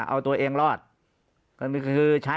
ปากกับภาคภูมิ